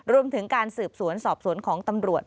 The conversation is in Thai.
รวมถึงการสืบสวนสอบสวนของตำรวจ